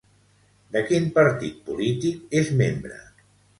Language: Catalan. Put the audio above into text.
De quin partit polític és membre?